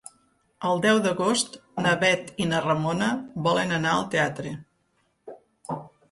El deu d'agost na Bet i na Ramona volen anar al teatre.